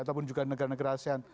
ataupun juga negara negara asean